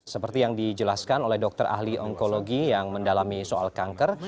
seperti yang dijelaskan oleh dokter ahli onkologi yang mendalami soal kanker